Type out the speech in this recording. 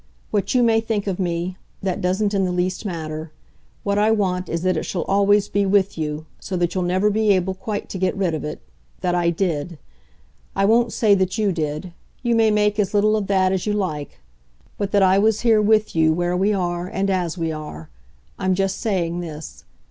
What you may think of me that doesn't in the least matter. What I want is that it shall always be with you so that you'll never be able quite to get rid of it that I DID. I won't say that you did you may make as little of that as you like. But that I was here with you where we are and as we are I just saying this.